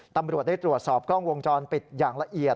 ตำรวจได้ตรวจสอบกล้องวงจรปิดอย่างละเอียด